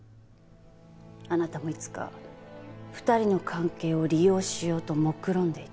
あなたもいつか２人の関係を利用しようともくろんでいた。